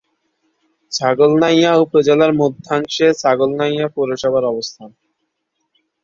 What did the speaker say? ছাগলনাইয়া উপজেলার মধ্যাংশে ছাগলনাইয়া পৌরসভার অবস্থান।